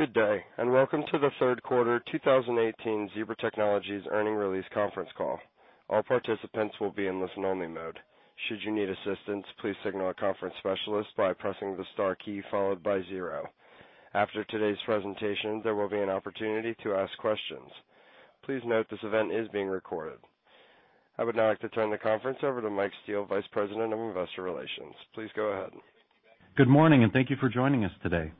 Good day. Welcome to the third quarter 2018 Zebra Technologies earnings release conference call. All participants will be in listen only mode. Should you need assistance, please signal a conference specialist by pressing the star key followed by zero. After today's presentation, there will be an opportunity to ask questions. Please note this event is being recorded. I would now like to turn the conference over to Michael Steele, Vice President of Investor Relations. Please go ahead. Good morning. Thank you for joining us today.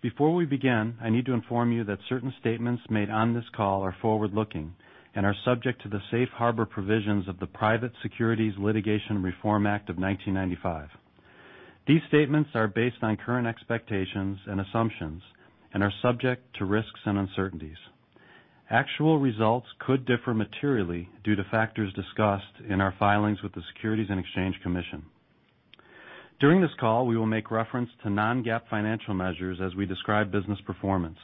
Before we begin, I need to inform you that certain statements made on this call are forward-looking and are subject to the safe harbor provisions of the Private Securities Litigation Reform Act of 1995. These statements are based on current expectations and assumptions and are subject to risks and uncertainties. Actual results could differ materially due to factors discussed in our filings with the Securities and Exchange Commission. During this call, we will make reference to non-GAAP financial measures as we describe business performance.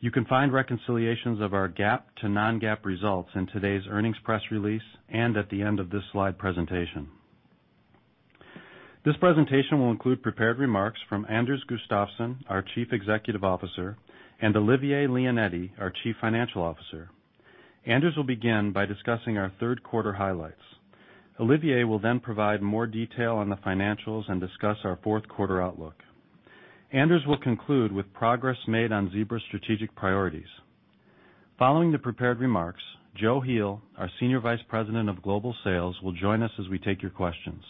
You can find reconciliations of our GAAP to non-GAAP results in today's earnings press release and at the end of this slide presentation. This presentation will include prepared remarks from Anders Gustafsson, our Chief Executive Officer, and Olivier Leonetti, our Chief Financial Officer. Anders will begin by discussing our third quarter highlights. Olivier will then provide more detail on the financials and discuss our fourth quarter outlook. Anders will conclude with progress made on Zebra's strategic priorities. Following the prepared remarks, Joe Heel, our Senior Vice President of Global Sales, will join us as we take your questions.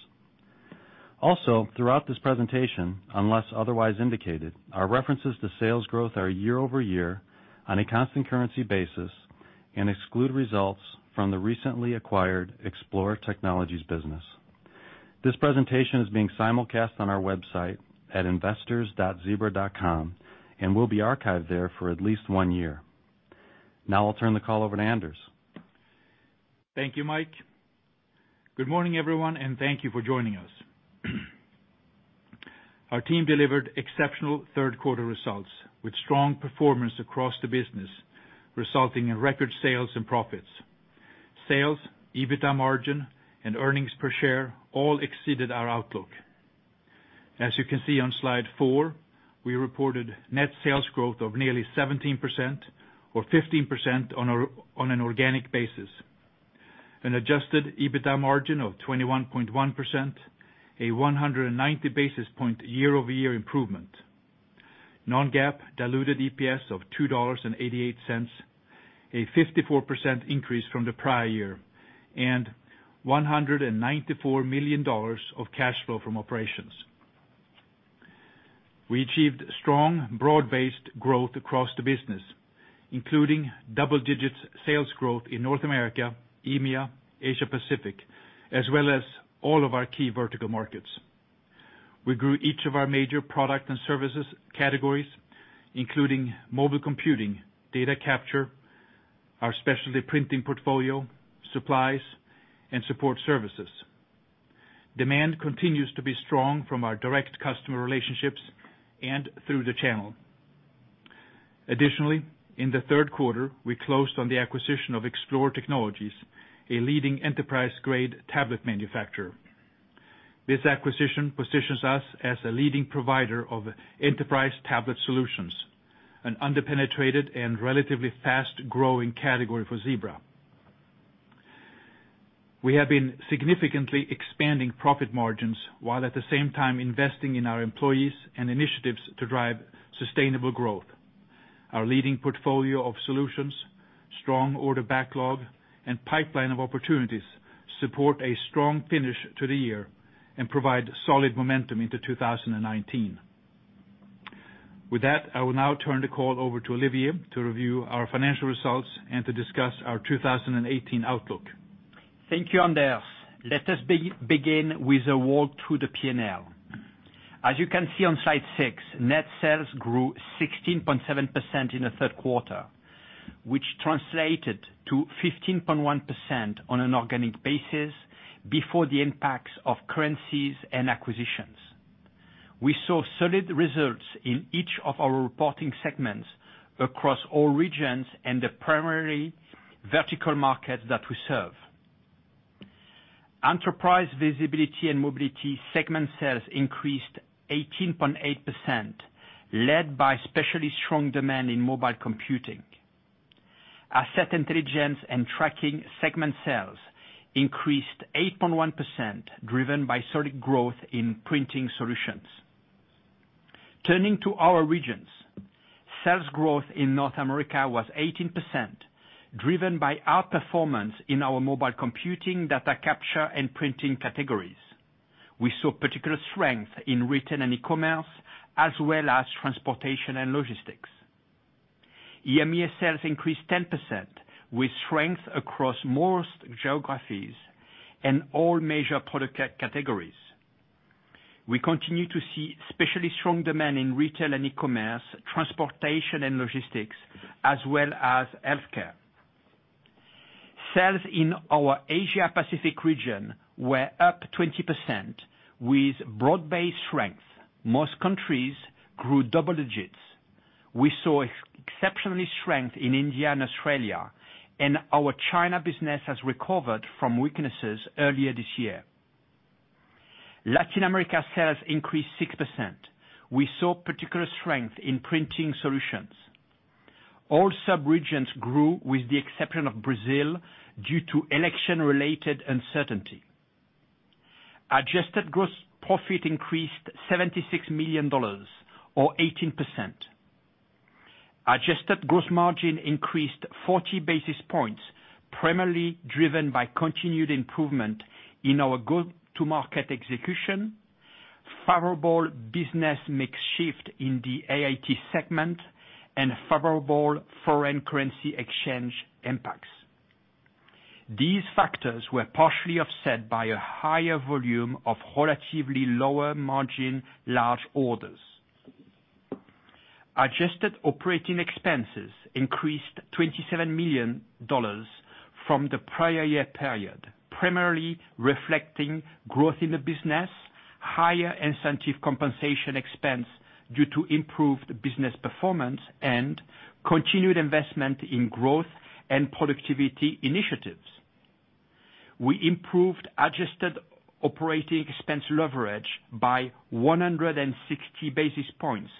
Also, throughout this presentation, unless otherwise indicated, our references to sales growth are year-over-year on a constant currency basis and exclude results from the recently acquired Xplore Technologies business. This presentation is being simulcast on our website at investors.zebra.com and will be archived there for at least one year. I'll turn the call over to Anders. Thank you, Mike. Good morning, everyone. Thank you for joining us. Our team delivered exceptional third quarter results, with strong performance across the business, resulting in record sales and profits. Sales, EBITDA margin, and EPS all exceeded our outlook. As you can see on slide four, we reported net sales growth of nearly 17%, or 15% on an organic basis. An adjusted EBITDA margin of 21.1%, a 190 basis point year-over-year improvement. Non-GAAP diluted EPS of $2.88, a 54% increase from the prior year, and $194 million of cash flow from operations. We achieved strong, broad-based growth across the business, including double-digit sales growth in North America, EMEA, Asia Pacific, as well as all of our key vertical markets. We grew each of our major product and services categories, including mobile computing, data capture, our specialty printing portfolio, supplies, and support services. Demand continues to be strong from our direct customer relationships and through the channel. Additionally, in the third quarter, we closed on the acquisition of Xplore Technologies, a leading enterprise-grade tablet manufacturer. This acquisition positions us as a leading provider of enterprise tablet solutions, an under-penetrated and relatively fast-growing category for Zebra. We have been significantly expanding profit margins, while at the same time investing in our employees and initiatives to drive sustainable growth. Our leading portfolio of solutions, strong order backlog, and pipeline of opportunities support a strong finish to the year and provide solid momentum into 2019. With that, I will now turn the call over to Olivier to review our financial results and to discuss our 2018 outlook. Thank you, Anders. Let us begin with a walk through the P&L. As you can see on slide six, net sales grew 16.7% in the third quarter, which translated to 15.1% on an organic basis before the impacts of currencies and acquisitions. We saw solid results in each of our reporting segments across all regions and the primary vertical markets that we serve. Enterprise Visibility & Mobility segment sales increased 18.8%, led by especially strong demand in mobile computing. Asset Intelligence & Tracking segment sales increased 8.1%, driven by solid growth in printing solutions. Turning to our regions, sales growth in North America was 18%, driven by outperformance in our mobile computing, data capture, and printing categories. We saw particular strength in retail and e-commerce, as well as transportation and logistics. EMEA sales increased 10%, with strength across most geographies and all major product categories. We continue to see especially strong demand in retail and e-commerce, transportation and logistics, as well as healthcare. Sales in our Asia Pacific region were up 20%, with broad-based strength. Most countries grew double digits. We saw exceptionally strength in India and Australia, and our China business has recovered from weaknesses earlier this year. Latin America sales increased 6%. We saw particular strength in printing solutions. All sub-regions grew with the exception of Brazil due to election-related uncertainty. Adjusted gross profit increased $76 million, or 18%. Adjusted gross margin increased 40 basis points, primarily driven by continued improvement in our go-to-market execution, favorable business mix shift in the AIT segment, and favorable foreign currency exchange impacts. These factors were partially offset by a higher volume of relatively lower margin large orders. Adjusted operating expenses increased $27 million from the prior year period, primarily reflecting growth in the business, higher incentive compensation expense due to improved business performance, and continued investment in growth and productivity initiatives. We improved adjusted operating expense leverage by 160 basis points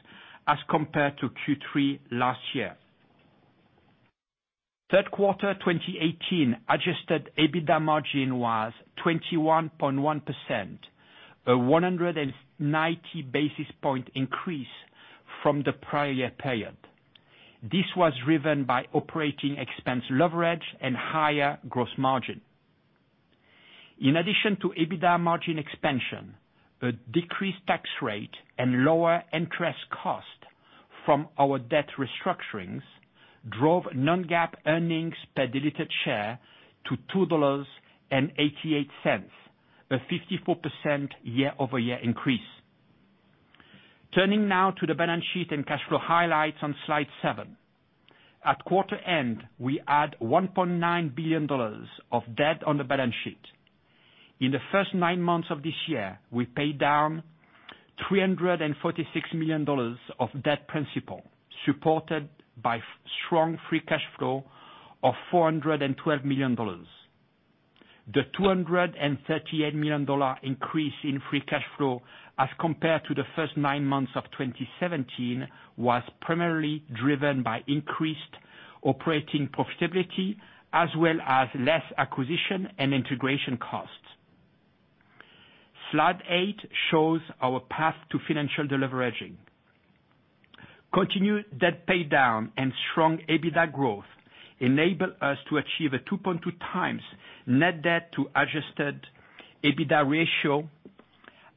as compared to Q3 last year. Third quarter 2018 adjusted EBITDA margin was 21.1%, a 190 basis point increase from the prior year period. This was driven by operating expense leverage and higher gross margin. In addition to EBITDA margin expansion, a decreased tax rate and lower interest cost from our debt restructurings drove non-GAAP earnings per diluted share to $2.88, a 54% year-over-year increase. Turning now to the balance sheet and cash flow highlights on slide seven. At quarter end, we add $1.9 billion of debt on the balance sheet. In the first nine months of this year, we paid down $346 million of debt principal, supported by strong free cash flow of $412 million. The $238 million increase in free cash flow as compared to the first nine months of 2017 was primarily driven by increased operating profitability, as well as less acquisition and integration costs. Slide eight shows our path to financial deleveraging. Continued debt paydown and strong EBITDA growth enable us to achieve a 2.2 times net debt to adjusted EBITDA ratio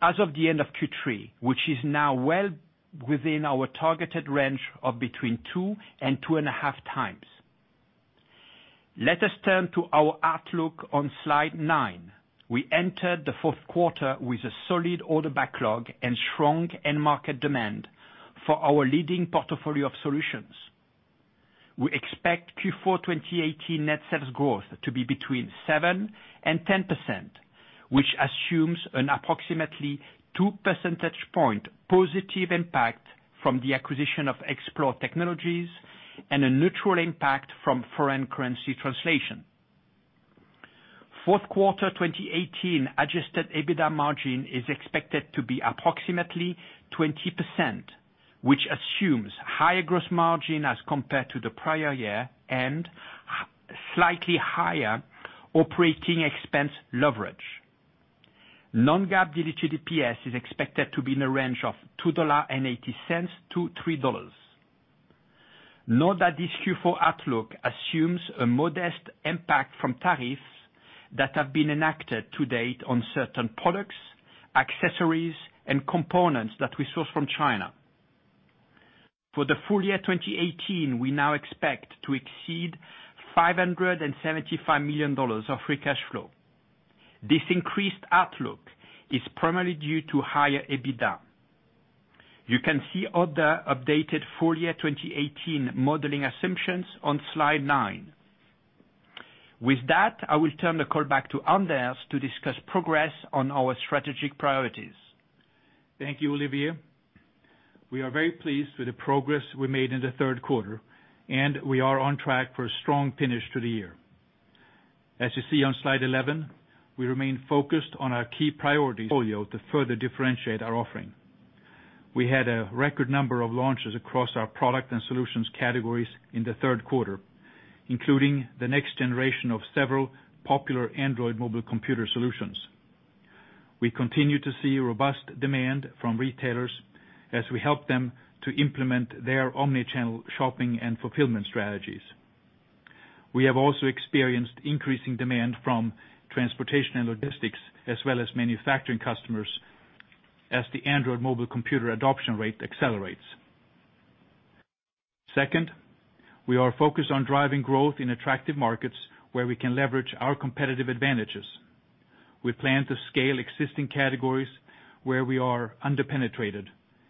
as of the end of Q3, which is now well within our targeted range of between two and two and a half times. Let us turn to our outlook on slide nine. We expect Q4 2018 net sales growth to be between 7%-10%, which assumes an approximately two percentage point positive impact from the acquisition of Xplore Technologies and a neutral impact from foreign currency translation. Fourth quarter 2018 adjusted EBITDA margin is expected to be approximately 20%, which assumes higher gross margin as compared to the prior year and slightly higher operating expense leverage. Non-GAAP diluted EPS is expected to be in a range of $2.80-$3. Note that this Q4 outlook assumes a modest impact from tariffs that have been enacted to date on certain products, accessories, and components that we source from China. For the full year 2018, we now expect to exceed $575 million of free cash flow. This increased outlook is primarily due to higher EBITDA. You can see other updated full year 2018 modeling assumptions on slide nine. With that, I will turn the call back to Anders to discuss progress on our strategic priorities. Thank you, Olivier. We are very pleased with the progress we made in the third quarter, and we are on track for a strong finish to the year. As you see on slide 11, we remain focused on our key priorities, portfolio to further differentiate our offering. We had a record number of launches across our product and solutions categories in the third quarter, including the next generation of several popular Android mobile computer solutions. We continue to see robust demand from retailers as we help them to implement their omni-channel shopping and fulfillment strategies. We have also experienced increasing demand from transportation and logistics as well as manufacturing customers as the Android mobile computer adoption rate accelerates. Second, we are focused on driving growth in attractive markets where we can leverage our competitive advantages. We plan to scale existing categories where we are under-penetrated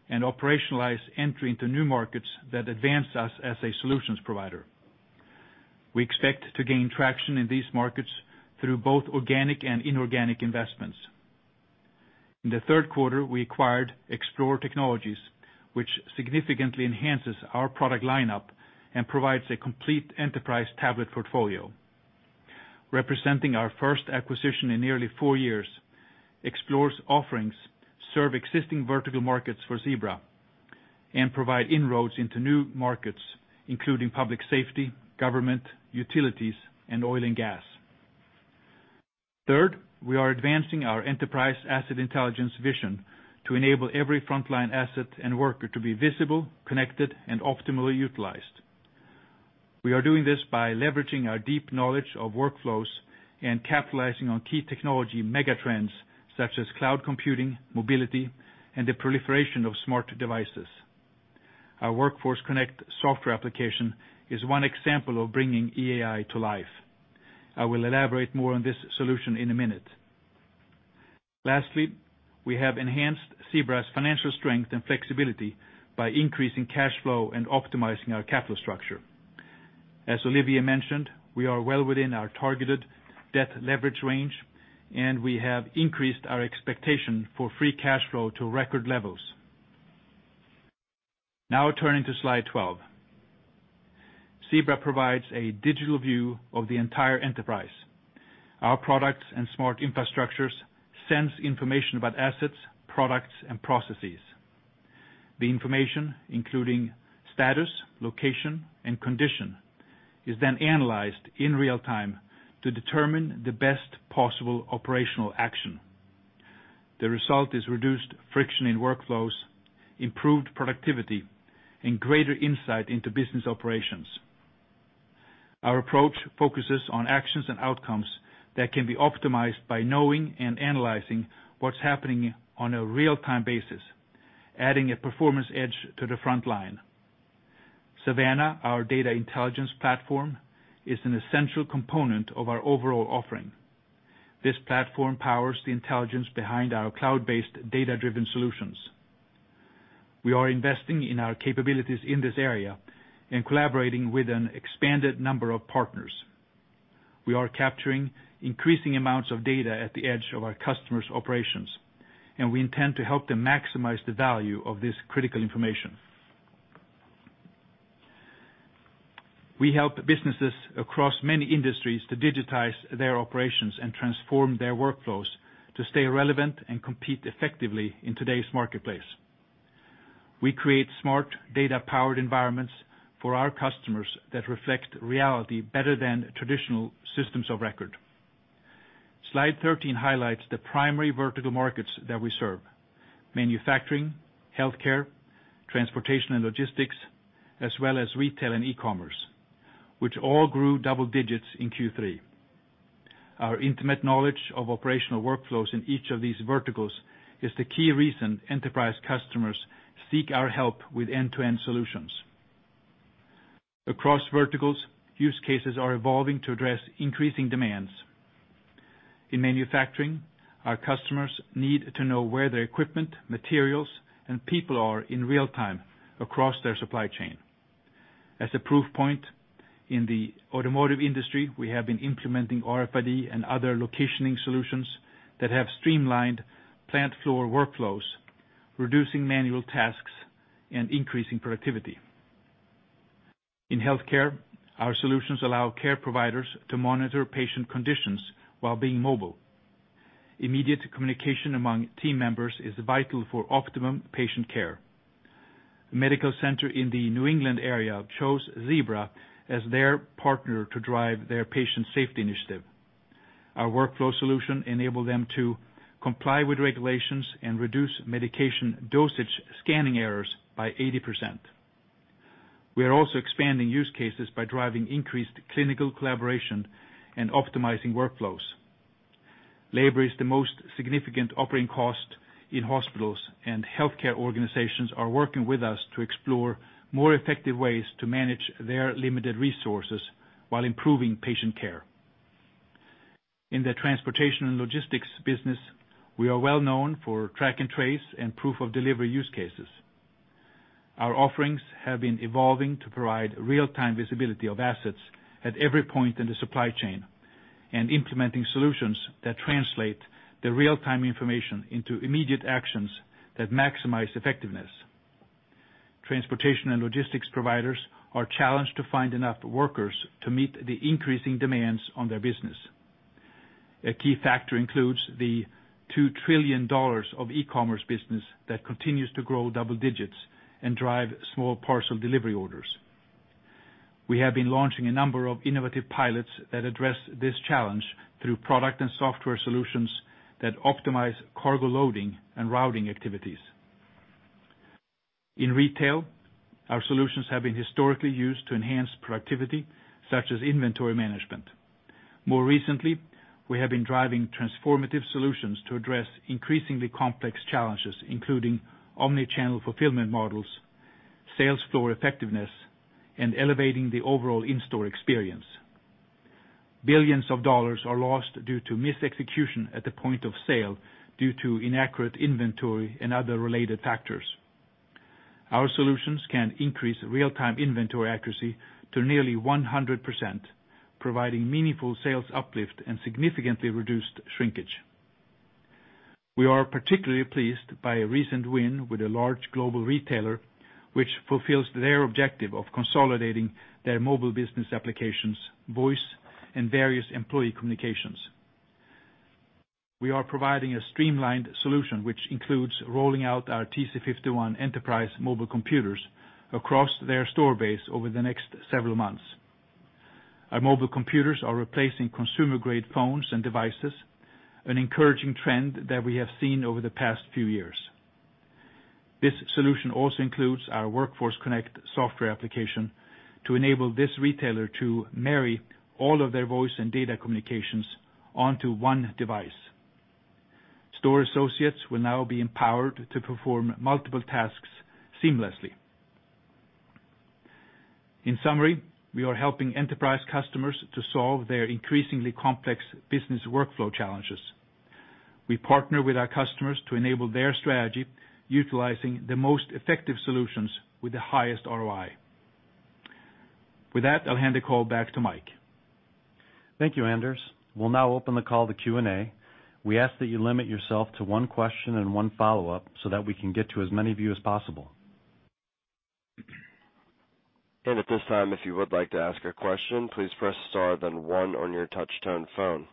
and operationalize entry into new markets that advance us as a solutions provider. We expect to gain traction in these markets through both organic and inorganic investments. In the third quarter, we acquired Xplore Technologies, which significantly enhances our product lineup and provides a complete enterprise tablet portfolio. Representing our first acquisition in nearly four years, Xplore's offerings serve existing vertical markets for Zebra and provide inroads into new markets, including public safety, government, utilities, and oil and gas. Third, we are advancing our enterprise asset intelligence vision to enable every frontline asset and worker to be visible, connected, and optimally utilized. We are doing this by leveraging our deep knowledge of workflows and capitalizing on key technology megatrends such as cloud computing, mobility, and the proliferation of smart devices. Our Workforce Connect software application is one example of bringing EAI to life. I will elaborate more on this solution in a minute. Lastly, as Olivier mentioned, we are well within our targeted debt leverage range, and we have increased our expectation for free cash flow to record levels. Turning to slide 12, Zebra provides a digital view of the entire enterprise. Our products and smart infrastructures sense information about assets, products, and processes. The information, including status, location, and condition, is then analyzed in real-time to determine the best possible operational action. The result is reduced friction in workflows, improved productivity, and greater insight into business operations. Our approach focuses on actions and outcomes that can be optimized by knowing and analyzing what's happening on a real-time basis, adding a performance edge to the front line. Savanna, our data intelligence platform, is an essential component of our overall offering. This platform powers the intelligence behind our cloud-based, data-driven solutions. We are investing in our capabilities in this area and collaborating with an expanded number of partners. We are capturing increasing amounts of data at the edge of our customers' operations, and we intend to help them maximize the value of this critical information. We help businesses across many industries to digitize their operations and transform their workflows to stay relevant and compete effectively in today's marketplace. We create smart data-powered environments for our customers that reflect reality better than traditional systems of record. Slide 13 highlights the primary vertical markets that we serve: manufacturing, healthcare, transportation and logistics, as well as retail and e-commerce, which all grew double digits in Q3. Our intimate knowledge of operational workflows in each of these verticals is the key reason enterprise customers seek our help with end-to-end solutions. Across verticals, use cases are evolving to address increasing demands. In manufacturing, our customers need to know where their equipment, materials, and people are in real-time across their supply chain. As a proof point, in the automotive industry, we have been implementing RFID and other locationing solutions that have streamlined plant floor workflows, reducing manual tasks and increasing productivity. In healthcare, our solutions allow care providers to monitor patient conditions while being mobile. Immediate communication among team members is vital for optimum patient care. A medical center in the New England area chose Zebra as their partner to drive their patient safety initiative. Our workflow solution enabled them to comply with regulations and reduce medication dosage scanning errors by 80%. We are also expanding use cases by driving increased clinical collaboration and optimizing workflows. Labor is the most significant operating cost in hospitals, and healthcare organizations are working with us to explore more effective ways to manage their limited resources while improving patient care. In the transportation and logistics business, we are well known for track and trace and proof of delivery use cases. Our offerings have been evolving to provide real-time visibility of assets at every point in the supply chain and implementing solutions that translate the real-time information into immediate actions that maximize effectiveness. Transportation and logistics providers are challenged to find enough workers to meet the increasing demands on their business. A key factor includes the $2 trillion of e-commerce business that continues to grow double digits and drive small parcel delivery orders. We have been launching a number of innovative pilots that address this challenge through product and software solutions that optimize cargo loading and routing activities. In retail, our solutions have been historically used to enhance productivity, such as inventory management. More recently, we have been driving transformative solutions to address increasingly complex challenges, including omni-channel fulfillment models, sales floor effectiveness, and elevating the overall in-store experience. Billions of dollars are lost due to misexecution at the point of sale due to inaccurate inventory and other related factors. Our solutions can increase real-time inventory accuracy to nearly 100%, providing meaningful sales uplift and significantly reduced shrinkage. We are particularly pleased by a recent win with a large global retailer, which fulfills their objective of consolidating their mobile business applications, voice, and various employee communications. We are providing a streamlined solution, which includes rolling out our TC51 enterprise mobile computers across their store base over the next several months. Our mobile computers are replacing consumer-grade phones and devices, an encouraging trend that we have seen over the past few years. This solution also includes our Workforce Connect software application to enable this retailer to marry all of their voice and data communications onto one device. Store associates will now be empowered to perform multiple tasks seamlessly. In summary, we are helping enterprise customers to solve their increasingly complex business workflow challenges. We partner with our customers to enable their strategy utilizing the most effective solutions with the highest ROI. With that, I'll hand the call back to Mike. Thank you, Anders. We'll now open the call to Q&A. We ask that you limit yourself to one question and one follow-up so that we can get to as many of you as possible. At this time, if you would like to ask a question, please press star, then one on your touch-tone phone.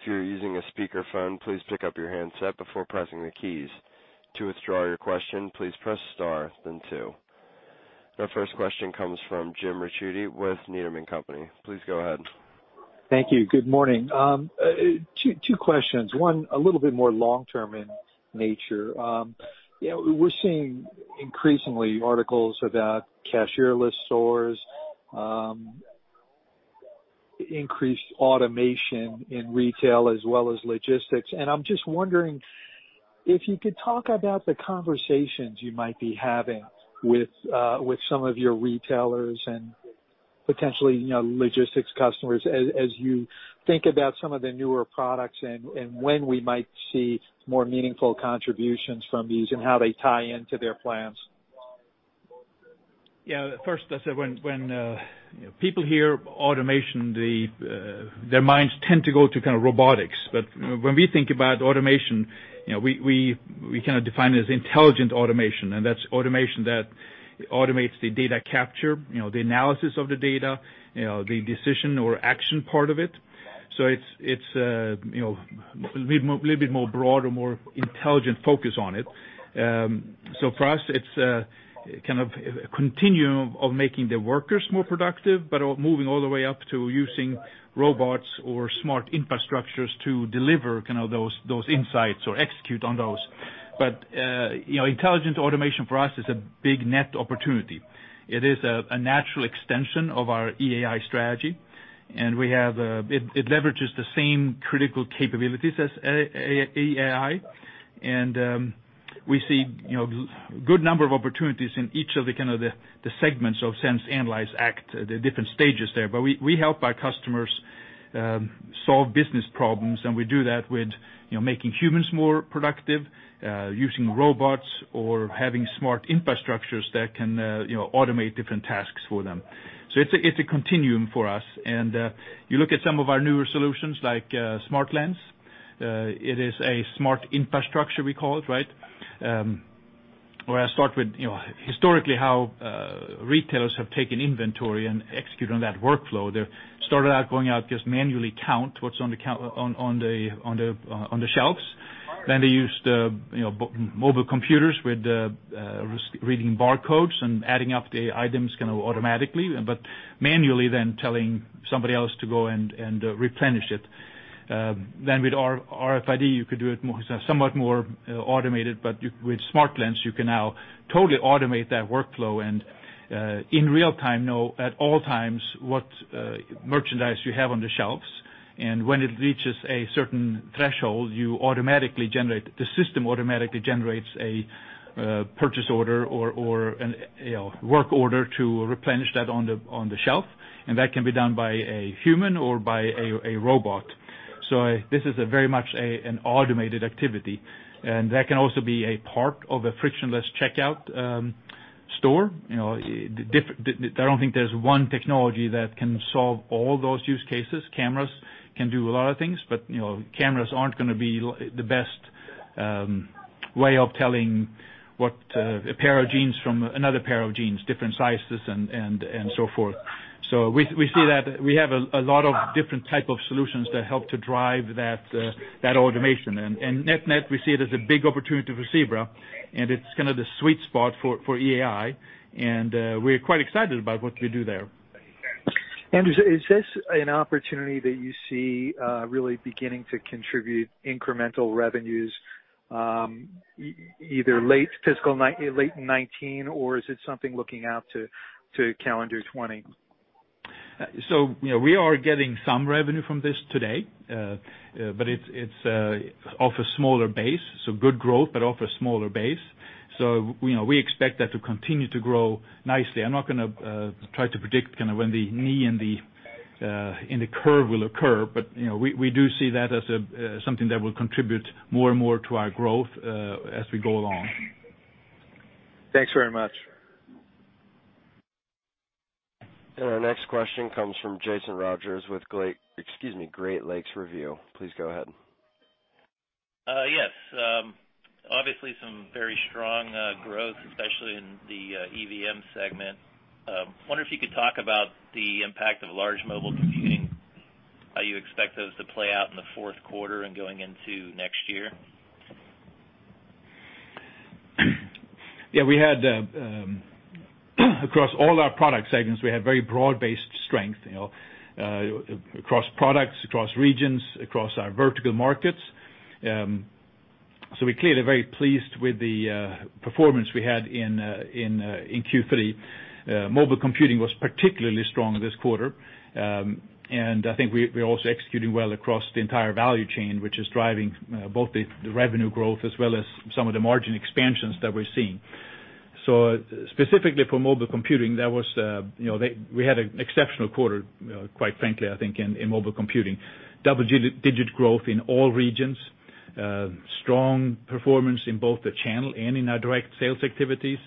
If you're using a speakerphone, please pick up your handset before pressing the keys. To withdraw your question, please press star, then two. Our first question comes from Jim Ricchiuti with Needham & Company. Please go ahead. Thank you. Good morning. Two questions. One, a little bit more long-term in nature. We're seeing increasingly articles about cashierless stores, increased automation in retail as well as logistics. I'm just wondering if you could talk about the conversations you might be having with some of your retailers and potentially, logistics customers as you think about some of the newer products and when we might see more meaningful contributions from these and how they tie into their plans. Yeah. First, when people hear automation, their minds tend to go to kind of robotics. When we think about automation, we define it as intelligent automation, and that's automation that automates the data capture, the analysis of the data, the decision or action part of it. It's a little bit more broad or more intelligent focus on it. For us, it's kind of a continuum of making the workers more productive, moving all the way up to using robots or smart infrastructures to deliver those insights or execute on those. Intelligent automation for us is a big net opportunity. It is a natural extension of our EAI strategy, it leverages the same critical capabilities as EAI. We see good number of opportunities in each of the segments of sense, analyze, act, the different stages there. We help our customers solve business problems, and we do that with making humans more productive, using robots or having smart infrastructures that can automate different tasks for them. It's a continuum for us. You look at some of our newer solutions like SmartLens. It is a smart infrastructure we call it, right? Where I start with historically how retailers have taken inventory and execute on that workflow. They started out going out, just manually count what's on the shelves. They used mobile computers with reading barcodes and adding up the items automatically, but manually then telling somebody else to go and replenish it. With RFID, you could do it somewhat more automated, but with SmartLens, you can now totally automate that workflow and, in real-time, know at all times what merchandise you have on the shelves. When it reaches a certain threshold, the system automatically generates a purchase order or a work order to replenish that on the shelf. That can be done by a human or by a robot. This is very much an automated activity, and that can also be a part of a frictionless checkout store. I don't think there's one technology that can solve all those use cases. Cameras can do a lot of things, but cameras aren't going to be the best way of telling a pair of jeans from another pair of jeans, different sizes and so forth. We see that we have a lot of different type of solutions that help to drive that automation. Net, we see it as a big opportunity for Zebra, and it's kind of the sweet spot for EAI, and we're quite excited about what we do there. Anders, is this an opportunity that you see really beginning to contribute incremental revenues either late in 2019, or is it something looking out to calendar 2020? We are getting some revenue from this today. It's off a smaller base, so good growth, but off a smaller base. We expect that to continue to grow nicely. I'm not going to try to predict when the knee in the curve will occur, but we do see that as something that will contribute more and more to our growth as we go along. Thanks very much. Our next question comes from Jason Rogers with Great Lakes Review. Please go ahead. Yes. Obviously some very strong growth, especially in the EVM segment. Wonder if you could talk about the impact of large mobile computing, how you expect those to play out in the fourth quarter and going into next year. Yeah, across all our product segments, we have very broad-based strength, across products, across regions, across our vertical markets. We're clearly very pleased with the performance we had in Q3. Mobile computing was particularly strong this quarter. I think we're also executing well across the entire value chain, which is driving both the revenue growth as well as some of the margin expansions that we're seeing. Specifically for mobile computing, we had an exceptional quarter, quite frankly, I think, in mobile computing. Double-digit growth in all regions, strong performance in both the channel and in our direct sales activities.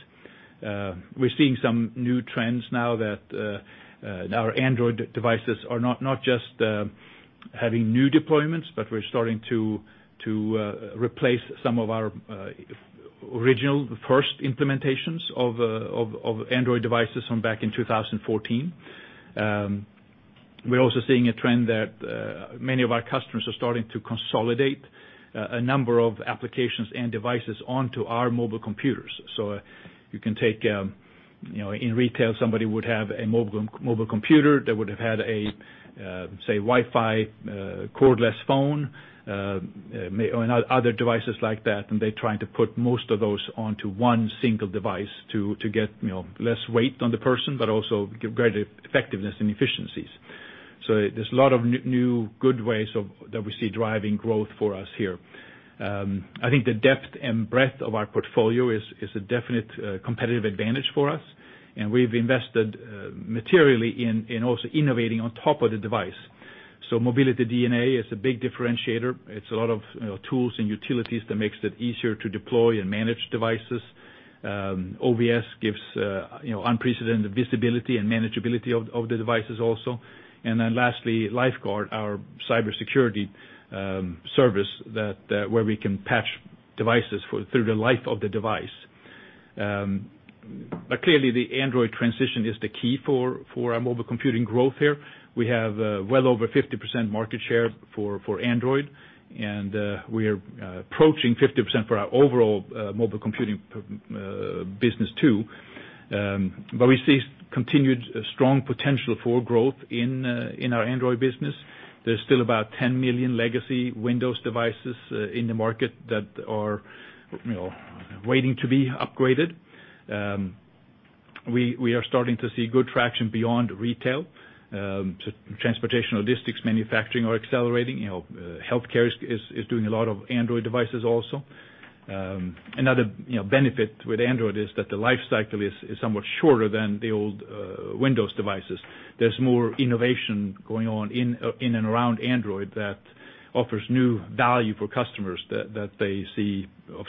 We're seeing some new trends now that our Android devices are not just having new deployments, but we're starting to replace some of our original, the first implementations of Android devices from back in 2014. We're also seeing a trend that many of our customers are starting to consolidate a number of applications and devices onto our mobile computers. You can take, in retail, somebody would have a mobile computer, they would have had a, say, Wi-Fi cordless phone, and other devices like that, and they're trying to put most of those onto one single device to get less weight on the person, but also give greater effectiveness and efficiencies. There's a lot of new good ways that we see driving growth for us here. I think the depth and breadth of our portfolio is a definite competitive advantage for us, and we've invested materially in also innovating on top of the device. Mobility DNA is a big differentiator. It's a lot of tools and utilities that makes it easier to deploy and manage devices. OVS gives unprecedented visibility and manageability of the devices also. Lastly, LifeGuard, our cybersecurity service, where we can patch devices through the life of the device. Clearly the Android transition is the key for our mobile computing growth here. We have well over 50% market share for Android, and we are approaching 50% for our overall mobile computing business too. We see continued strong potential for growth in our Android business. There's still about 10 million legacy Windows devices in the market that are waiting to be upgraded. We are starting to see good traction beyond retail. Transportation, logistics, manufacturing are accelerating. Healthcare is doing a lot of Android devices also. Another benefit with Android is that the life cycle is somewhat shorter than the old Windows devices. There's more innovation going on in and around Android that offers new value for customers that they see as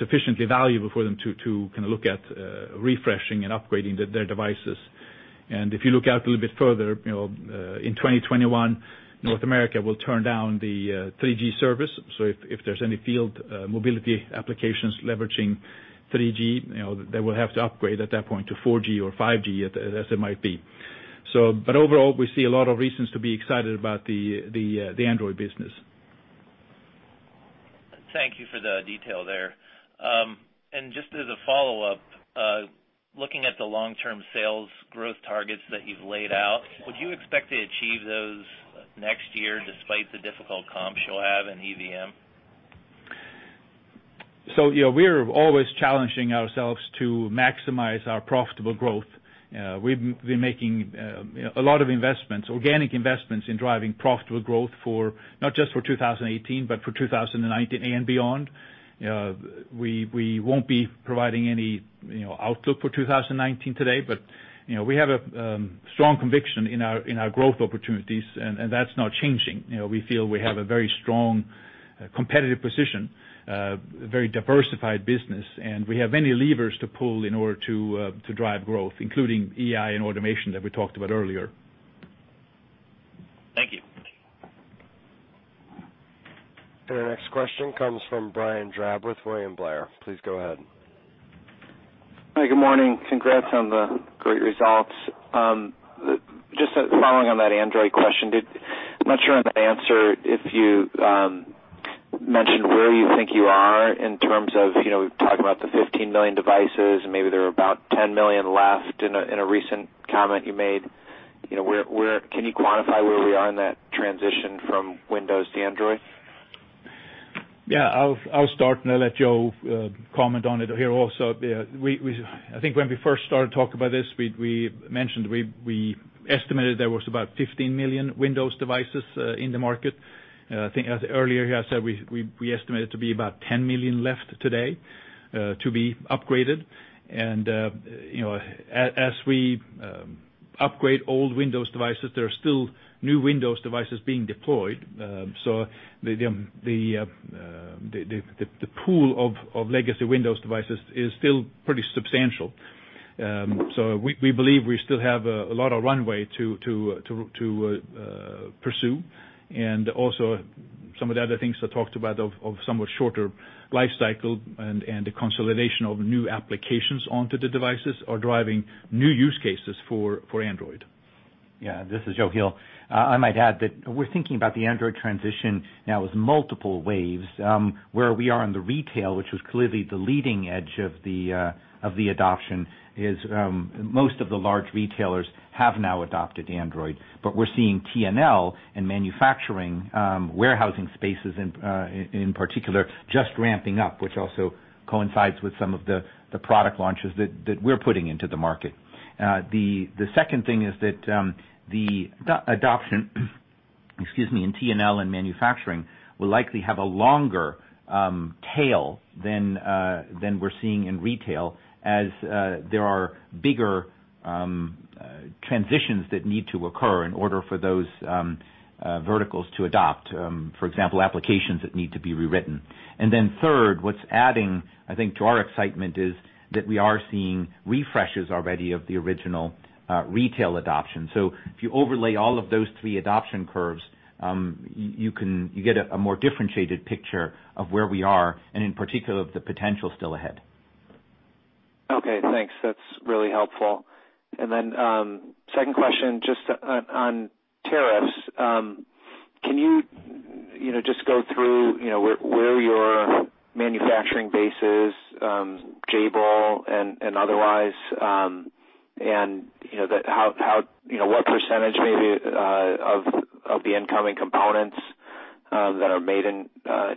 sufficiently valuable for them to look at refreshing and upgrading their devices. If you look out a little bit further, in 2021, North America will turn down the 3G service. If there's any field mobility applications leveraging 3G, they will have to upgrade at that point to 4G or 5G as it might be. Overall, we see a lot of reasons to be excited about the Android business. Thank you for the detail there. Just as a follow-up, looking at the long-term sales growth targets that you've laid out, would you expect to achieve those next year despite the difficult comps you'll have in EVM? We're always challenging ourselves to maximize our profitable growth. We've been making a lot of investments, organic investments in driving profitable growth, not just for 2018, but for 2019 and beyond. We won't be providing any outlook for 2019 today, but we have a strong conviction in our growth opportunities, and that's not changing. We feel we have a very strong competitive position, a very diversified business, and we have many levers to pull in order to drive growth, including EI and automation that we talked about earlier. Thank you. Our next question comes from Brian Drab with William Blair. Please go ahead. Hi, good morning. Congrats on the great results. Just following on that Android question, I'm not sure on the answer if you mentioned where you think you are in terms of, we've talked about the 15 million devices, and maybe there are about 10 million left in a recent comment you made. Can you quantify where we are in that transition from Windows to Android? Yeah, I'll start and I'll let Joe comment on it here also. I think when we first started talking about this, we mentioned we estimated there was about 15 million Windows devices in the market. I think earlier here I said we estimate it to be about 10 million left today to be upgraded. As we upgrade old Windows devices. There are still new Windows devices being deployed, so the pool of legacy Windows devices is still pretty substantial. We believe we still have a lot of runway to pursue. Also some of the other things I talked about of somewhat shorter life cycle and the consolidation of new applications onto the devices are driving new use cases for Android. Yeah. This is Joe Heel. I might add that we're thinking about the Android transition now as multiple waves. Where we are in the retail, which was clearly the leading edge of the adoption, is most of the large retailers have now adopted Android. We're seeing T&L and manufacturing, warehousing spaces in particular, just ramping up, which also coincides with some of the product launches that we're putting into the market. The second thing is that the adoption in T&L and manufacturing will likely have a longer tail than we're seeing in retail, as there are bigger transitions that need to occur in order for those verticals to adopt. For example, applications that need to be rewritten. Third, what's adding, I think, to our excitement, is that we are seeing refreshes already of the original retail adoption. If you overlay all of those three adoption curves, you get a more differentiated picture of where we are and in particular, of the potential still ahead. Okay, thanks. That's really helpful. Second question, just on tariffs. Can you just go through where your manufacturing base is, Jabil and otherwise, and what percentage maybe of the incoming components that are made in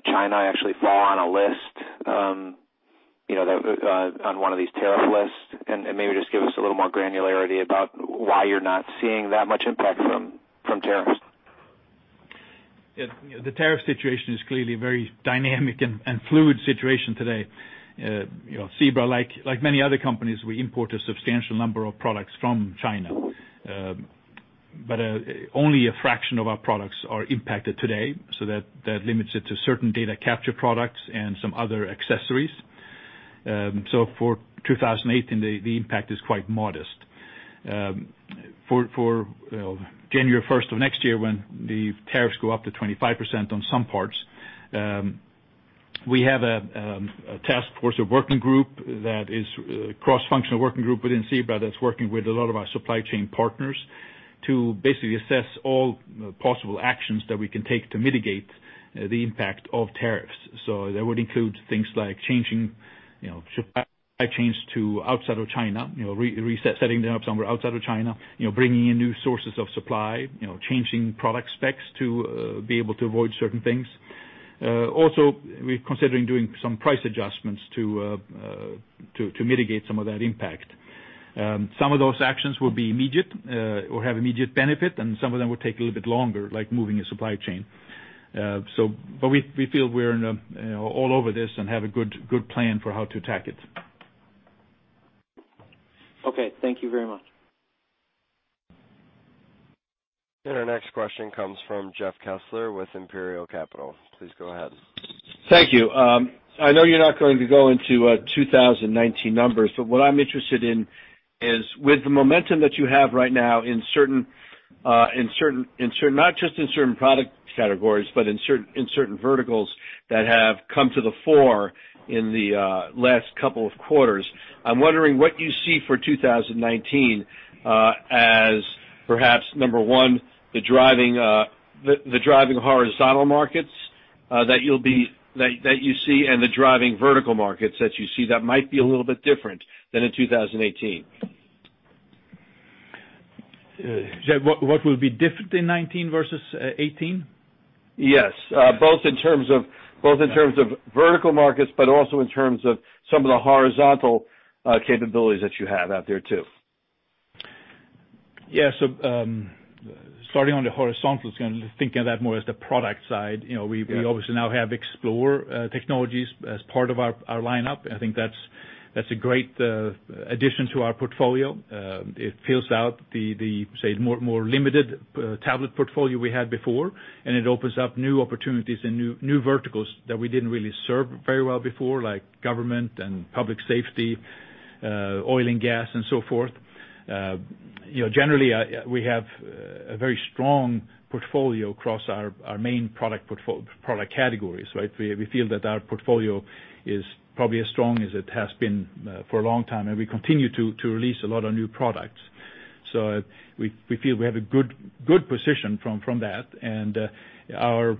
China actually fall on one of these tariff lists? Maybe just give us a little more granularity about why you're not seeing that much impact from tariffs. The tariff situation is clearly very dynamic and fluid situation today. Zebra, like many other companies, we import a substantial number of products from China, but only a fraction of our products are impacted today. That limits it to certain data capture products and some other accessories. For 2018, the impact is quite modest. For January 1st of next year, when the tariffs go up to 25% on some parts, we have a task force, a working group, that is a cross-functional working group within Zebra that's working with a lot of our supply chain partners to basically assess all possible actions that we can take to mitigate the impact of tariffs. That would include things like supply chains to outside of China, setting them up somewhere outside of China, bringing in new sources of supply, changing product specs to be able to avoid certain things. Also, we're considering doing some price adjustments to mitigate some of that impact. Some of those actions will be immediate, or have immediate benefit, and some of them will take a little bit longer, like moving a supply chain. We feel we're all over this and have a good plan for how to attack it. Okay. Thank you very much. Our next question comes from Jeff Kessler with Imperial Capital. Please go ahead. Thank you. What I'm interested in is, with the momentum that you have right now, not just in certain product categories, but in certain verticals that have come to the fore in the last couple of quarters, I'm wondering what you see for 2019 as perhaps, number one, the driving horizontal markets that you see and the driving vertical markets that you see that might be a little bit different than in 2018. Jeff, what will be different in 2019 versus 2018? Yes. Both in terms of vertical markets, but also in terms of some of the horizontal capabilities that you have out there, too. Yeah. Starting on the horizontal, thinking of that more as the product side. Yeah. We obviously now have Xplore Technologies as part of our lineup. I think that's a great addition to our portfolio. It fills out the, say, more limited tablet portfolio we had before, and it opens up new opportunities and new verticals that we didn't really serve very well before, like government and public safety, oil and gas, and so forth. Generally, we have a very strong portfolio across our main product categories. We feel that our portfolio is probably as strong as it has been for a long time, and we continue to release a lot of new products. We feel we have a good position from that. Our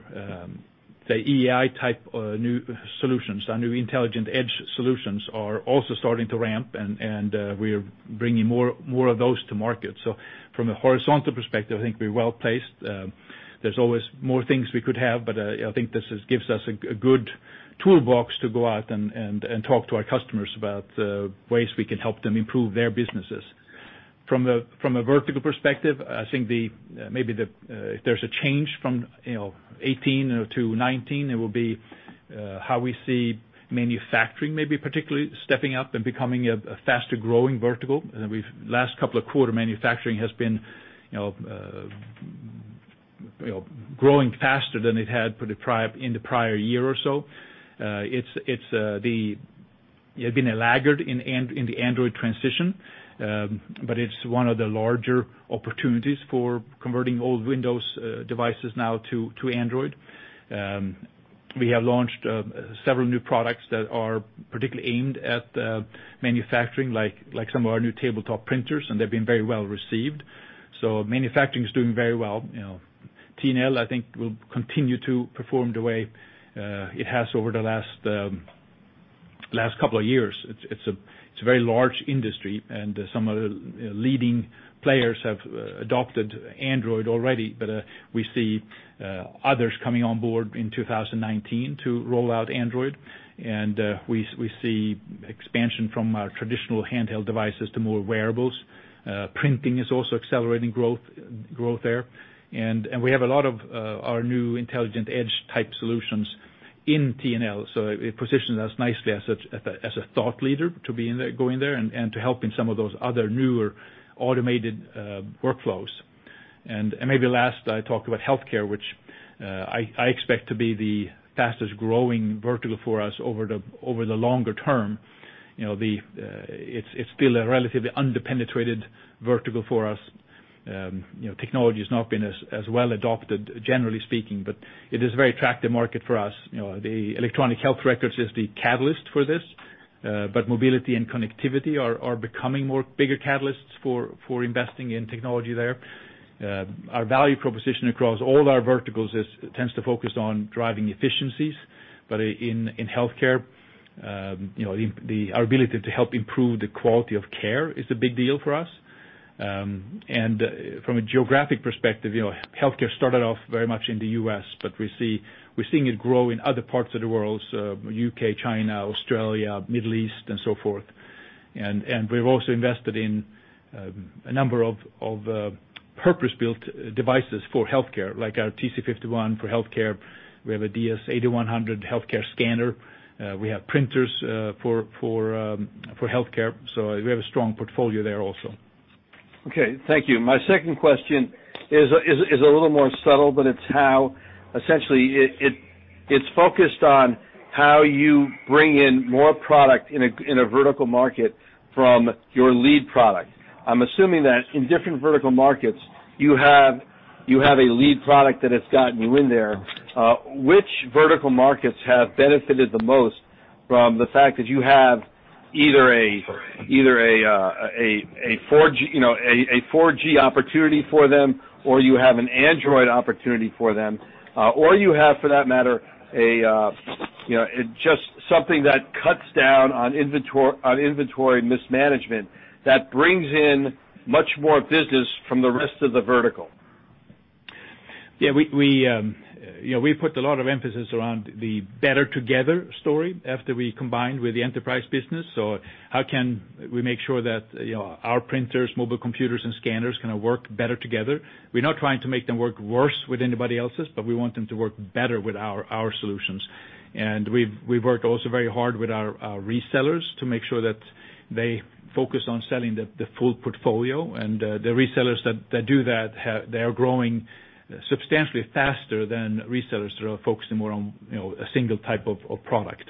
EI type new solutions, our new intelligent edge solutions, are also starting to ramp, and we are bringing more of those to market. From a horizontal perspective, I think we're well-placed. There's always more things we could have, but I think this gives us a good toolbox to go out and talk to our customers about ways we can help them improve their businesses. From a vertical perspective, I think if there's a change from 2018 to 2019, it will be how we see manufacturing maybe particularly stepping up and becoming a faster-growing vertical. Last couple of quarters, manufacturing has been growing faster than it had in the prior year or so. It had been a laggard in the Android transition, but it's one of the larger opportunities for converting old Windows devices now to Android. We have launched several new products that are particularly aimed at manufacturing, like some of our new tabletop printers, and they've been very well received. Manufacturing is doing very well. T&L, I think, will continue to perform the way it has over the last couple of years. It's a very large industry, and some of the leading players have adopted Android already. We see others coming on board in 2019 to roll out Android. We see expansion from our traditional handheld devices to more wearables. Printing is also accelerating growth there. We have a lot of our new intelligent edge type solutions in T&L, so it positions us nicely as a thought leader to be going there and to help in some of those other newer automated workflows. Maybe last, I talked about healthcare, which I expect to be the fastest-growing vertical for us over the longer term. It's still a relatively under-penetrated vertical for us. Technology has not been as well adopted, generally speaking, but it is a very attractive market for us. The electronic health records is the catalyst for this, but mobility and connectivity are becoming more bigger catalysts for investing in technology there. Our value proposition across all our verticals tends to focus on driving efficiencies. In healthcare, our ability to help improve the quality of care is a big deal for us. From a geographic perspective, healthcare started off very much in the U.S., but we're seeing it grow in other parts of the world, so U.K., China, Australia, Middle East, and so forth. We've also invested in a number of purpose-built devices for healthcare, like our TC51 for healthcare. We have a DS8100 healthcare scanner. We have printers for healthcare. We have a strong portfolio there also. Okay. Thank you. My second question is a little more subtle, but it's how, essentially, it's focused on how you bring in more product in a vertical market from your lead product. I'm assuming that in different vertical markets, you have a lead product that has gotten you in there. Which vertical markets have benefited the most from the fact that you have either a 4G opportunity for them, or you have an Android opportunity for them, or you have, for that matter, just something that cuts down on inventory mismanagement that brings in much more business from the rest of the vertical? Yeah. We put a lot of emphasis around the better together story after we combined with the enterprise business. How can we make sure that our printers, mobile computers, and scanners can work better together? We're not trying to make them work worse with anybody else's, but we want them to work better with our solutions. We've worked also very hard with our resellers to make sure that they focus on selling the full portfolio. The resellers that do that, they are growing substantially faster than resellers that are focusing more on a single type of product.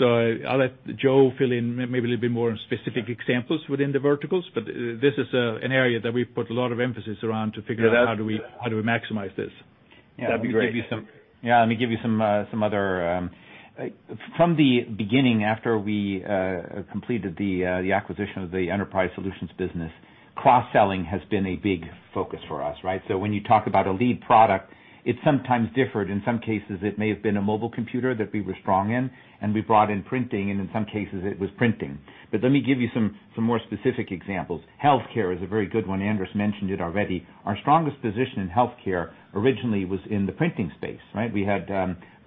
I'll let Joe fill in maybe a little bit more specific examples within the verticals. This is an area that we've put a lot of emphasis around to figure out how do we maximize this? That'd be great. Yeah. Let me give you some other. From the beginning, after we completed the acquisition of the Enterprise Solutions business, cross-selling has been a big focus for us, right? When you talk about a lead product, it's sometimes differed. In some cases, it may have been a mobile computer that we were strong in, and we brought in printing, and in some cases, it was printing. Let me give you some more specific examples. Healthcare is a very good one. Anders mentioned it already. Our strongest position in healthcare originally was in the printing space, right? We had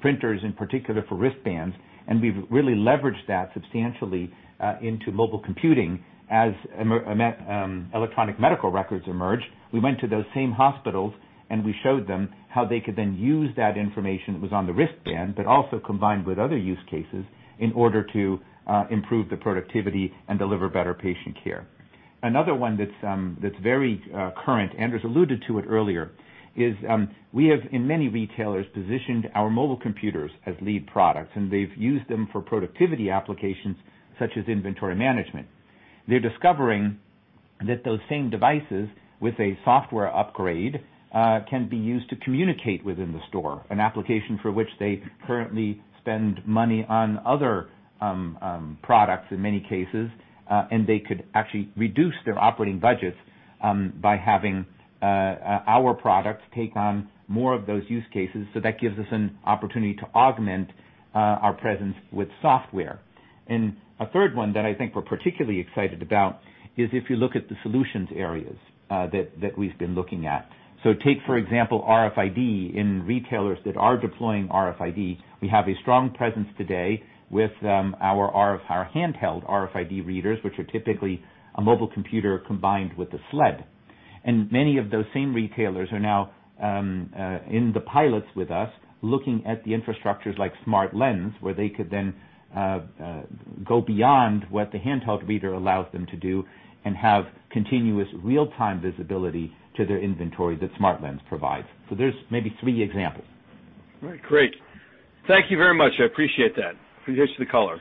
printers, in particular for wristbands, and we've really leveraged that substantially into mobile computing. As electronic medical records emerged, we went to those same hospitals, we showed them how they could then use that information that was on the wristband, but also combined with other use cases in order to improve the productivity and deliver better patient care. Another one that's very current, Anders Gustafsson alluded to it earlier, is we have, in many retailers, positioned our mobile computers as lead products, and they've used them for productivity applications such as inventory management. They're discovering that those same devices with a software upgrade, can be used to communicate within the store, an application for which they currently spend money on other products in many cases. They could actually reduce their operating budgets by having our products take on more of those use cases, that gives us an opportunity to augment our presence with software. A third one that I think we're particularly excited about is if you look at the solutions areas that we've been looking at. Take, for example, RFID in retailers that are deploying RFID. We have a strong presence today with our handheld RFID readers, which are typically a mobile computer combined with a sled. Many of those same retailers are now in the pilots with us, looking at the infrastructures like SmartLens, where they could then go beyond what the handheld reader allows them to do and have continuous real-time visibility to their inventory that SmartLens provides. There's maybe three examples. All right, great. Thank you very much. I appreciate that. Appreciate you the call.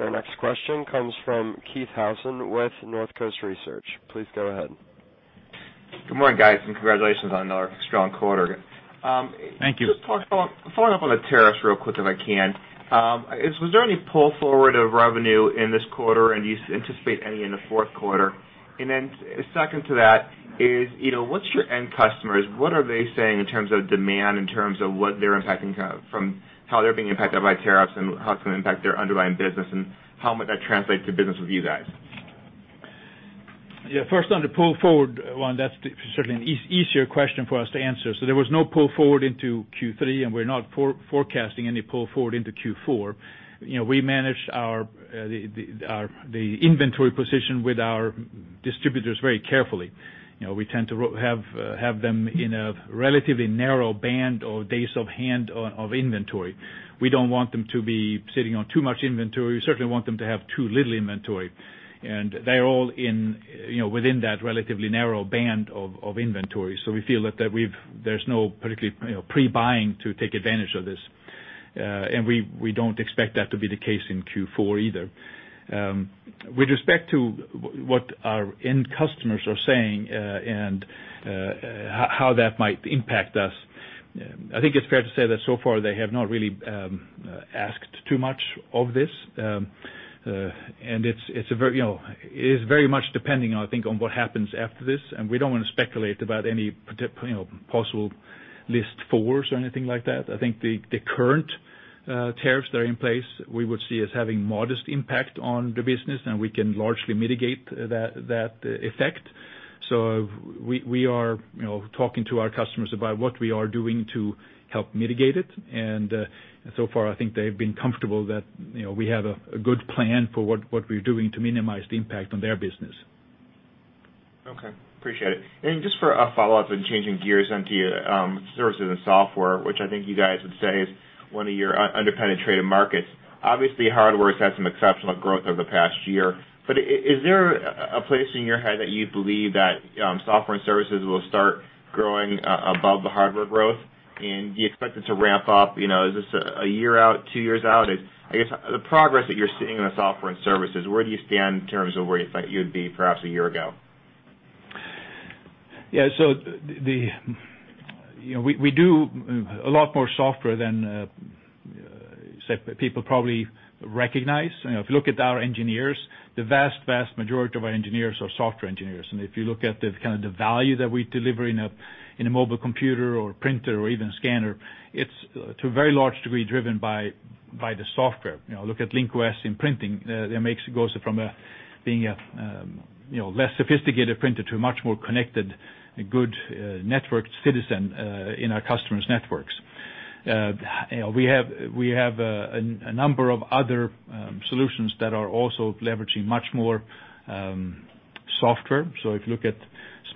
Our next question comes from Keith Housum with Northcoast Research. Please go ahead. Good morning, guys. Congratulations on another strong quarter. Thank you. Just following up on the tariffs real quick if I can. Was there any pull forward of revenue in this quarter? Do you anticipate any in the fourth quarter? Second to that is, what's your end customers, what are they saying in terms of demand, in terms of how they're being impacted by tariffs and how it's going to impact their underlying business, and how might that translate to business with you guys? Yeah. First on the pull forward one, that's certainly an easier question for us to answer. There was no pull forward into Q3. We're not forecasting any pull forward into Q4. We manage the inventory position with our distributors very carefully. We tend to have them in a relatively narrow band or days of hand of inventory. We don't want them to be sitting on too much inventory. We certainly don't want them to have too little inventory. They're all within that relatively narrow band of inventory. We feel that there's no particularly pre-buying to take advantage of this. We don't expect that to be the case in Q4 either. With respect to what our end customers are saying, and how that might impact us, I think it's fair to say that so far they have not really asked too much of this. It is very much depending, I think, on what happens after this. We don't want to speculate about any possible List 4s or anything like that. I think the current tariffs that are in place, we would see as having modest impact on the business, and we can largely mitigate that effect. We are talking to our customers about what we are doing to help mitigate it, and so far, I think they've been comfortable that we have a good plan for what we're doing to minimize the impact on their business. Okay. Appreciate it. Just for a follow-up and changing gears into your services and software, which I think you guys would say is one of your under-penetrated markets. Obviously, hardware's had some exceptional growth over the past year, but is there a place in your head that you believe that software and services will start growing above the hardware growth? Do you expect it to ramp up? Is this one year out, two years out? I guess the progress that you're seeing in the software and services, where do you stand in terms of where you thought you'd be perhaps a year ago? Yeah. We do a lot more software than people probably recognize. If you look at our engineers, the vast majority of our engineers are software engineers. If you look at the kind of the value that we deliver in a mobile computer or printer or even scanner, it's to a very large degree driven by the software. Look at Link-OS in printing. It goes from being a less sophisticated printer to a much more connected, good networked citizen in our customers' networks. We have a number of other solutions that are also leveraging much more software. If you look at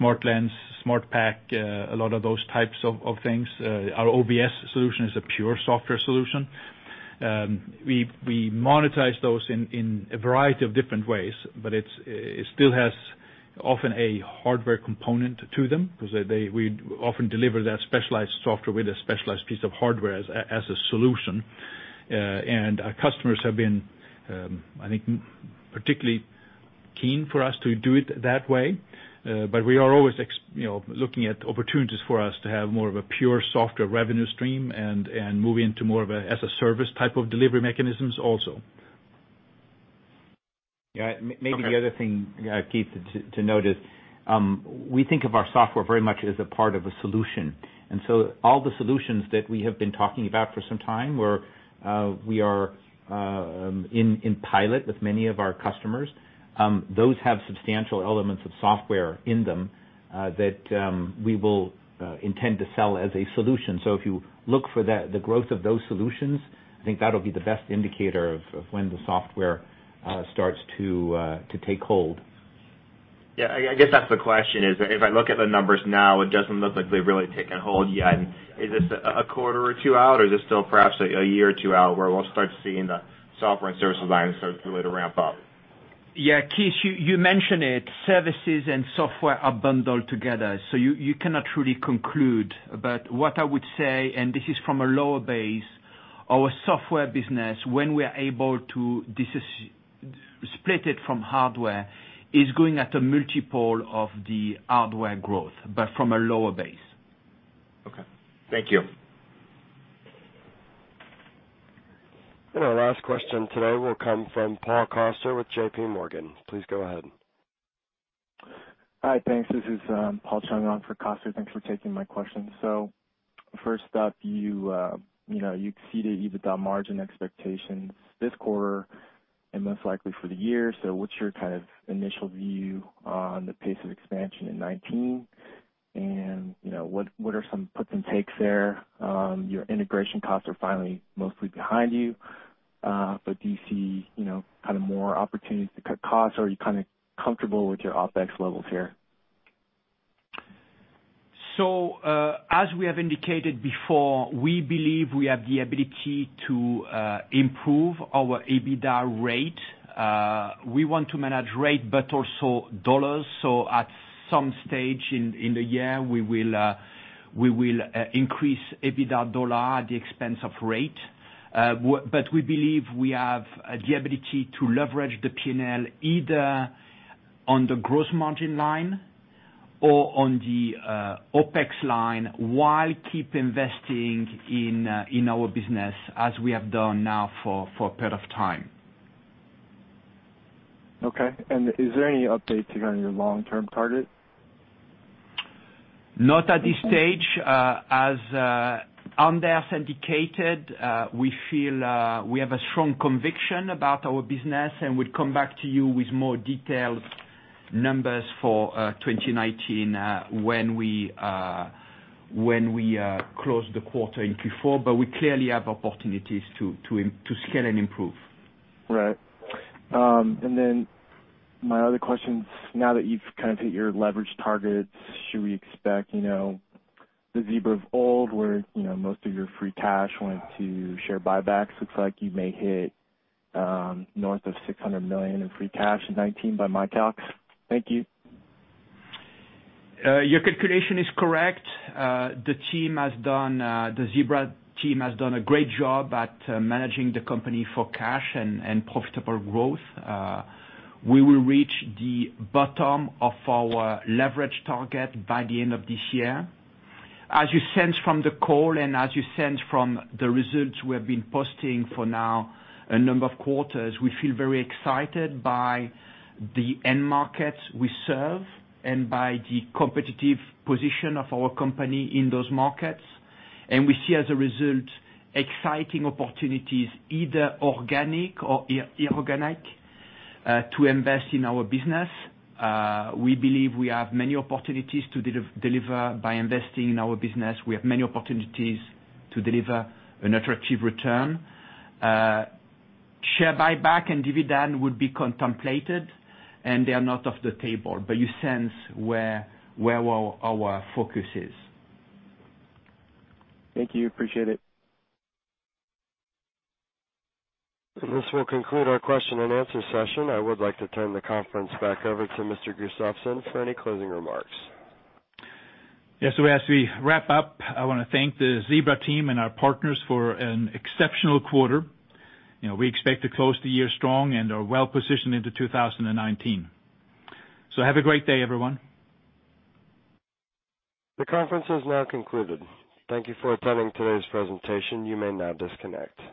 SmartLens, SmartPack, a lot of those types of things. Our OBS solution is a pure software solution. We monetize those in a variety of different ways, but it still has often a hardware component to them because we often deliver that specialized software with a specialized piece of hardware as a solution. Our customers have been, I think, particularly keen for us to do it that way. We are always looking at opportunities for us to have more of a pure software revenue stream and move into more of a as-a-service type of delivery mechanisms also. Yeah. Maybe the other thing, Keith, to note is, we think of our software very much as a part of a solution. All the solutions that we have been talking about for some time, where we are in pilot with many of our customers, those have substantial elements of software in them, that we will intend to sell as a solution. If you look for the growth of those solutions, I think that'll be the best indicator of when the software starts to take hold. Yeah. I guess that's the question is, if I look at the numbers now, it doesn't look like they've really taken hold yet. Is this a quarter or two out, or is this still perhaps a year or two out where we'll start seeing the software and services line start to really ramp up? Yeah. Keith, you mention it, services and software are bundled together. You cannot really conclude. What I would say, and this is from a lower base, our software business, when we are able to split it from hardware, is going at a multiple of the hardware growth, but from a lower base. Okay. Thank you. Our last question today will come from Paul Chung with JP Morgan. Please go ahead. Hi, thanks. This is Paul Chung on for Coster. Thanks for taking my questions. First up, you exceeded EBITDA margin expectations this quarter and most likely for the year. What's your kind of initial view on the pace of expansion in 2019? What are some puts and takes there? Your integration costs are finally mostly behind you. Do you see more opportunities to cut costs, or are you kind of comfortable with your OpEx levels here? As we have indicated before, we believe we have the ability to improve our EBITDA rate. We want to manage rate but also dollars. At some stage in the year, we will increase EBITDA dollar at the expense of rate. We believe we have the ability to leverage the P&L either on the gross margin line or on the OpEx line while keep investing in our business as we have done now for a period of time. Okay. Is there any update on your long-term target? Not at this stage. As Anders indicated, we feel we have a strong conviction about our business, we'll come back to you with more detailed numbers for 2019 when we close the quarter in Q4. We clearly have opportunities to scale and improve. Right. My other question is, now that you've kind of hit your leverage targets, should we expect the Zebra of old where most of your free cash went to share buybacks? Looks like you may hit north of $600 million in free cash in 2019 by my calcs. Thank you. Your calculation is correct. The Zebra team has done a great job at managing the company for cash and profitable growth. We will reach the bottom of our leverage target by the end of this year. As you sense from the call and as you sense from the results we have been posting for now a number of quarters, we feel very excited by the end markets we serve and by the competitive position of our company in those markets. We see, as a result, exciting opportunities, either organic or inorganic, to invest in our business. We believe we have many opportunities to deliver by investing in our business. We have many opportunities to deliver an attractive return. Share buyback and dividend would be contemplated, and they are not off the table. You sense where our focus is. Thank you. Appreciate it. This will conclude our question and answer session. I would like to turn the conference back over to Mr. Gustafsson for any closing remarks. Yes. As we wrap up, I want to thank the Zebra team and our partners for an exceptional quarter. We expect to close the year strong and are well positioned into 2019. Have a great day, everyone. The conference has now concluded. Thank you for attending today's presentation. You may now disconnect.